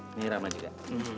ini rama juga